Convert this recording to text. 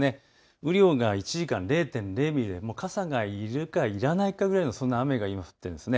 雨量が１時間に０．０ミリ、傘が要るか要らないかぐらいの、それぐらいの雨が降っています。